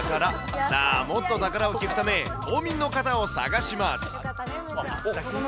さあ、もっと宝を聞くため、島民の方を探します。